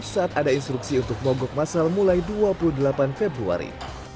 saat ada instruksi untuk mogok masal mulai dua puluh delapan februari